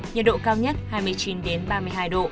nhiệt độ cao nhất hai mươi chín ba mươi hai độ